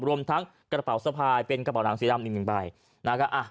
รวมทั้งกระเป๋าสะพายเป็นกระเป๋าหนังสีดำอีกหนึ่งใบนะฮะ